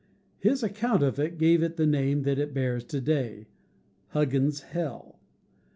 His account of it gave it the name that it bears to day, "Huggins's hell."